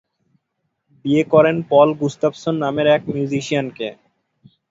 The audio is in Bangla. বিয়ে করেন পল গুস্তাভসন নামের এক মিউজিশিয়ানকে।